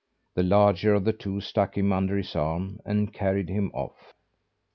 The larger of the two stuck him under his arm and carried him off.